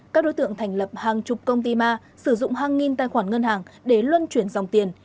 các đối tượng thành lập hàng chục công ty ma sử dụng hàng nghìn tài khoản ngân hàng để luân chuyển dòng tiền